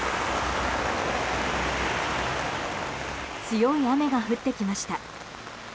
強い雨が降ってきました。